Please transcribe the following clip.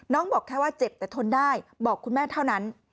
บอกแค่ว่าเจ็บแต่ทนได้บอกคุณแม่เท่านั้น